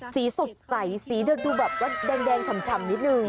สีสุดใสสีดูแบบแดงชำนิดนึง